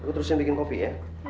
aku terusin bikin kopi ya